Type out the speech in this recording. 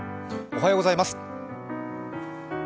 おはようございます。